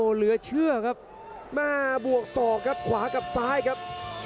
เหลือเชื่อครับแม่บวกศอกครับขวากับซ้ายครับ